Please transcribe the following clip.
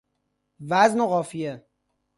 وزن و قافیه